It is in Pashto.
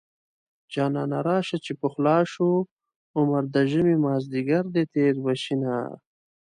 جانانه راشه چې پخلا شو عمر د ژمې مازديګر دی تېر به شينه